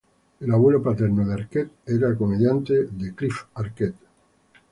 El abuelo paterno de Arquette era comediante de Cliff Arquette.